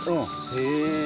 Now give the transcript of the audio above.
へえ！